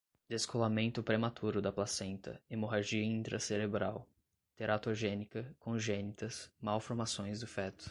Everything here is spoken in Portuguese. descolamento prematuro da placenta, hemorragia intracerebral, teratogênica, congênitas, malformações do feto